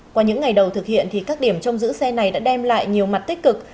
qua những ngày đầu thực hiện thì các điểm trong giữ xe này đã đem lại nhiều mặt tích cực